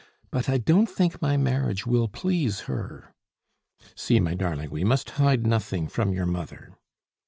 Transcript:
But I don't think my marriage will please her." "See, my darling, we must hide nothing from your mother."